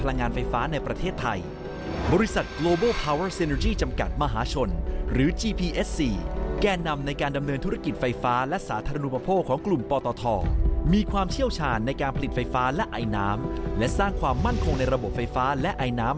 ในการปลิดไฟฟ้าและอายน้ำและสร้างความมั่นคงในระบบไฟฟ้าและอายน้ำ